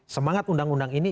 semangat undang undang ini